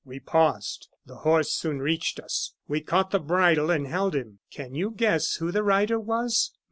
"We paused. The horse soon reached us; we caught the bridle and held him. Can you guess who the rider was?